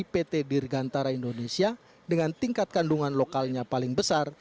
dan diproduksi pt dirgantara indonesia dengan tingkat kandungan lokalnya paling besar